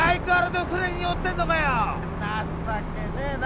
情けねえな。